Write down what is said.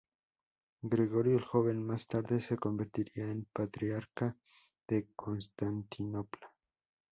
Gregorio el Joven más tarde se convertiría en patriarca de Constantinopla.